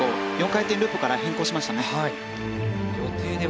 ４回転ループから変更しましたね。